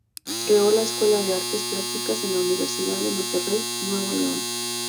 Creó la Escuela de Artes Plásticas en la Universidad de Monterrey, Nuevo León.